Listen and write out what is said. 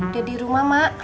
dia di rumah mak